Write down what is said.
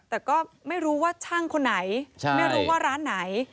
แต่ก็ไม่รู้ว่าช่างคนไหนไม่รู้ว่าร้านไหน